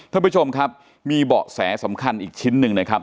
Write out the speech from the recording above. ท่านผู้ชมครับมีเบาะแสสำคัญอีกชิ้นหนึ่งนะครับ